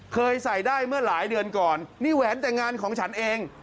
เคยใส่ได้เมื่อหลายเดือนก่อนนี่แหวนแต่งงานของฉันเอง